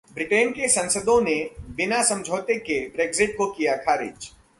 Britain के सांसदों ने ‘बिना समझौते’ के ब्रेक्जिट को किया खारिज